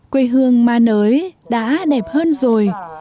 quê hương ma nới đã đẹp hơn rồi